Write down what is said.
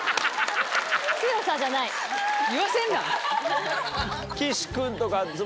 言わせんな！